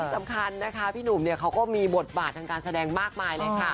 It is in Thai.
สำคัญพี่หนุ่มนี่เข้ามีบทมาตรทางการแสดงมากมาย